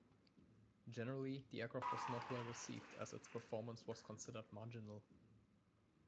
Generally, the aircraft was not well-received as its performance was considered marginal.